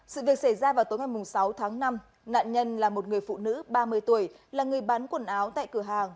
sự việc xảy ra vào tối ngày sáu tháng năm nạn nhân là một người phụ nữ ba mươi tuổi là người bán quần áo tại cửa hàng